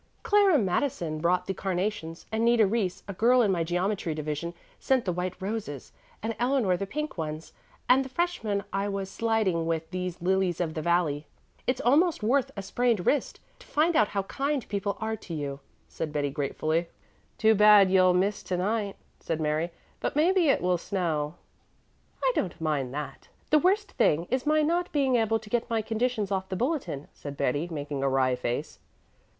"Clara Madison brought the carnations, and Nita Reese, a girl in my geometry division, sent the white roses, and Eleanor the pink ones, and the freshman I was sliding with these lilies of the valley. It's almost worth a sprained wrist to find out how kind people are to you," said Betty gratefully. "Too bad you'll miss to night," said Mary, "but maybe it will snow." "I don't mind that. The worst thing is my not being able to get my conditions off the bulletin," said Betty, making a wry face.